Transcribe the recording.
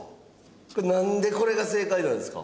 これなんでこれが正解なんですか？